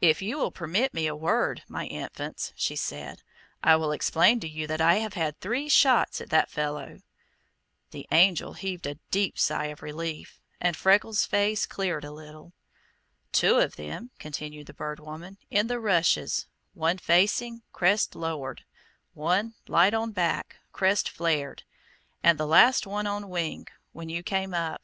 "If you will permit me a word, my infants," she said, "I will explain to you that I have had three shots at that fellow." The Angel heaved a deep sigh of relief, and Freckles' face cleared a little. "Two of them," continued the Bird Woman, "in the rushes one facing, crest lowered; one light on back, crest flared; and the last on wing, when you came up.